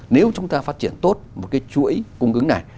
nếu chúng ta phát triển tốt một cái chuỗi cung ứng này